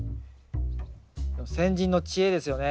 先人の知恵ですよね。